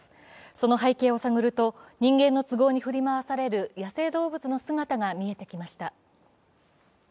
その背景を探ると、人間の都合に振り回される野生動物の姿が見えてきました。